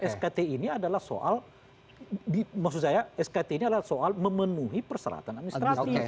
skt ini adalah soal maksud saya skt ini adalah soal memenuhi perseratan administrasi